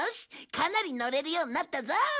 かなり乗れるようになったぞ。